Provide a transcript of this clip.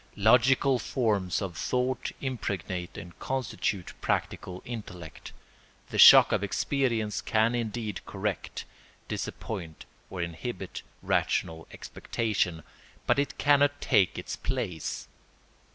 Logical forms of thought impregnate and constitute practical intellect. The shock of experience can indeed correct, disappoint, or inhibit rational expectation, but it cannot take its place.